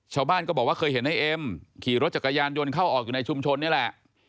ชาวบ้านก็บอกว่าเคยเห็นในเอ็มขี่รถจักรยานยนต์เข้าออกอยู่ในชุมชนนี่แหละ